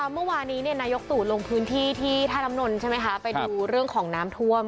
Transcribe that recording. เมื่อวานี้นายกตั๋วลงพื้นที่ท่านำนทนไปดูเรื่องของน้ำท่วม